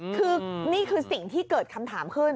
คือนี่คือสิ่งที่เกิดคำถามขึ้น